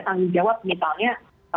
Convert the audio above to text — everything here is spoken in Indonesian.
tanggung jawab misalnya